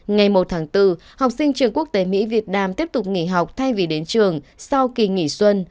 ngày một tháng bốn học sinh trường quốc tế mỹ việt nam tiếp tục nghỉ học thay vì đến trường sau kỳ nghỉ xuân